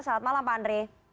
selamat malam pak andre